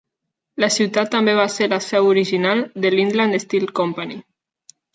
La ciutat també va ser la seu original de l'Inland Steel Company.